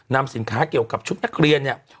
นำสินค้าเกี่ยวกับชุดนักเรียนเนี่ย